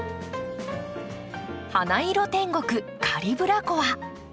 花色天国カリブラコア。